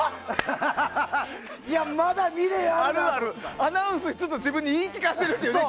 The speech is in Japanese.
アナウンスしつつ自分に言い聞かせてるみたいなね。